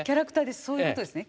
そういうことですね。